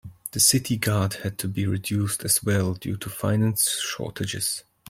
The city guard had to be reduced as well due to finance shortages.